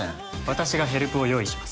私がヘルプを用意します。